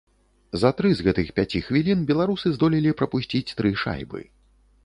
За тры з гэтых пяці хвілін беларусы здолелі прапусціць тры шайбы.